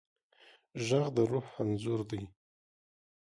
غږ د روح انځور دی